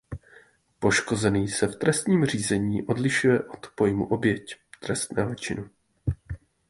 Poškozený se v trestním řízení odlišuje od pojmu oběť trestného činu.